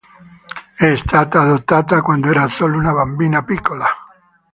È stata adottata quando era solo una bambina piccola.